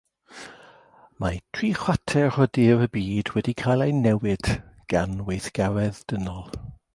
Mae tri chwarter o dir y byd wedi cael ei newid gan weithgaredd dynol.